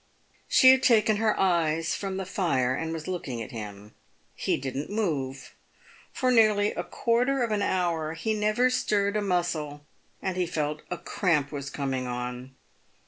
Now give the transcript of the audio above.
She had taken her eyes from the fire and was looking at him. He didn't move. Eor nearly a quarter of an hour he never stirred a muscle, and he felt a cramp was coming on.